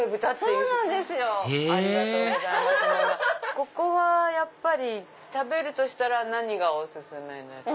ここはやっぱり食べるとしたら何がお薦めですか？